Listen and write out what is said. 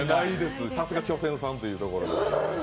さすが巨泉さんというところです。